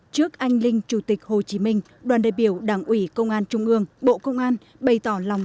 trước anh linh chủ tịch hồ chí minh đoàn đại biểu đảng ủy công an trung ương bộ công an bày tỏ lòng